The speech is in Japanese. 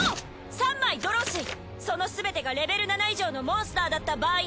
３枚ドローしそのすべてがレベル７以上のモンスターだった場合